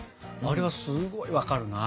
あれはすごい分かるな。